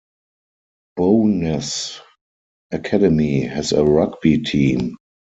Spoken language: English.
Bo'ness Academy has a rugby team.